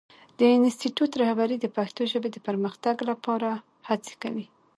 د انسټیټوت رهبري د پښتو ژبې د پرمختګ لپاره هڅې کوي.